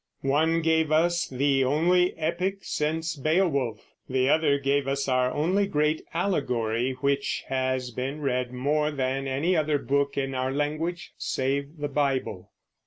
One gave us the only epic since Beowulf; the other gave us our only great allegory, which has been read more than any other book in our language save the Bible.